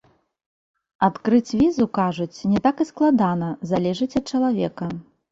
Адкрыць візу, кажуць, не так і складана, залежыць ад чалавека.